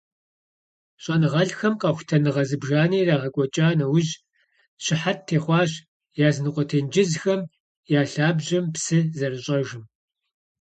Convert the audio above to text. Щӏэныгъэлӏхэм къэхутэныгъэ зыбжанэ ирагъэкӏуэкӏа нэужь, щыхьэт техъуащ языныкъуэ тенджызхэм я лъабжьэм псы зэрыщӏэжым.